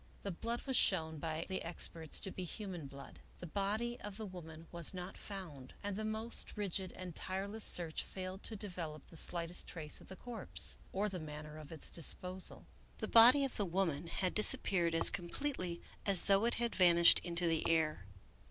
The blood was shown by the experts to be human blood. The body of the woman was not found, and the most rigid and tireless search failed to develop the slightest trace of the corpse, or the manner of its disposal. The body of the woman had disappeared as completely as though it had vanished into the air.